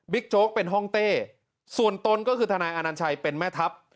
โจ๊กเป็นห้องเต้ส่วนตนก็คือทนายอนัญชัยเป็นแม่ทัพ